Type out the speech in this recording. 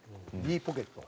Ｄポケット？